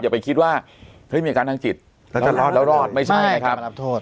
ไปคิดว่ามีอาการทางจิตแล้วรอดไม่ใช่นะครับ